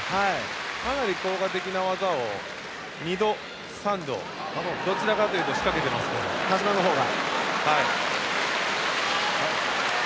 かなり効果的な技を２度、３度どちらかというと仕掛けていますから、田嶋の方が。